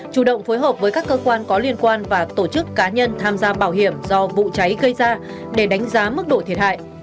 chủ động phối hợp với các cơ quan có liên quan và tổ chức cá nhân tham gia bảo hiểm do vụ cháy gây ra để đánh giá mức độ thiệt hại